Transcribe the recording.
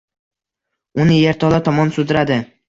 Uni yerto‘la tomon sudradi…